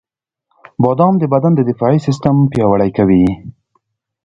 • بادام د بدن د دفاعي سیستم پیاوړی کوي.